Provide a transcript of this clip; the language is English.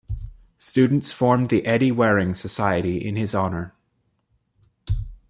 Students formed the Eddie Waring Society in his honour.